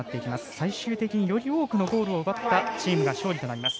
最終的により多くのゴールを奪ったチームが勝利となります。